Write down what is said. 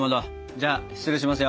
じゃあ失礼しますよ。